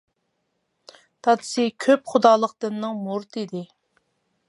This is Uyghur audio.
دادىسى كۆپ خۇدالىق دىننىڭ مۇرىتى ئىدى.